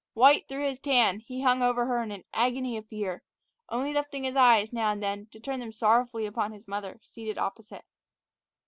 White through his tan, he hung over her in an agony of fear, only lifting his eyes, now and then, to turn them sorrowfully upon his mother, seated opposite.